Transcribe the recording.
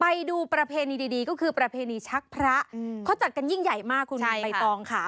ไปดูประเพณีดีก็คือประเพณีชักพระเขาจัดกันยิ่งใหญ่มากคุณคุณใบตองค่ะ